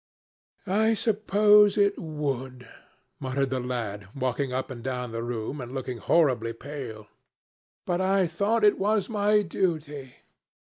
"I suppose it would," muttered the lad, walking up and down the room and looking horribly pale. "But I thought it was my duty.